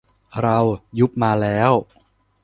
เรา ยุบมาแล้ว